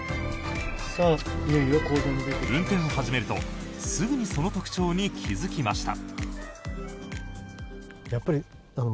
運転を始めるとすぐにその特徴に気付きました。